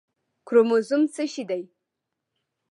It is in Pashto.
کروموزوم څه شی دی